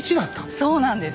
そうなんです。